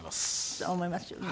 そう思いますよね。